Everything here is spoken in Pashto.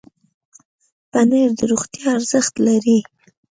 پنېر د روغتیا ارزښت لري.